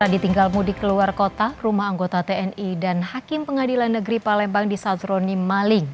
ditinggal mudik keluar kota rumah anggota tni dan hakim pengadilan negeri palembang disazroni maling